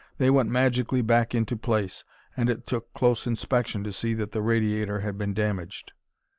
They went magically back into place, and it took close inspection to see that the radiator had been damaged.